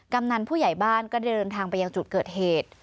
กำนันผู้ใหญ่บ้านก็ได้เดินทางไปยังจุดเกิดเหตุ